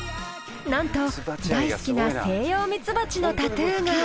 なんと大好きなセイヨウミツバチのタトゥーが。